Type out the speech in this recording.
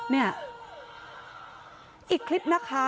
เนี่ยอีกคลิปนะคะ